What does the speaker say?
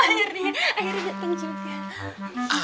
akhirnya dateng cinta